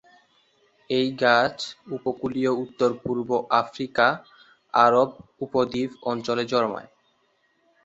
এই গাছ উপকূলীয় উত্তর-পূর্ব আফ্রিকা, আরব উপদ্বীপ অঞ্চলে জন্মায়।